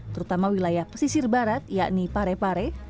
terutama wilayah pesisir barat yakni pare pare